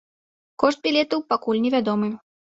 Кошт білетаў пакуль невядомы.